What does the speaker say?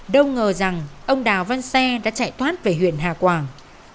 đâu ngờ rằng ông đào văn xe đã chạy thoát về huyện hà quảng